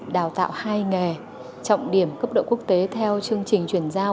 đào tạo hai nghề trọng điểm cấp độ quốc tế theo chương trình chuyển giao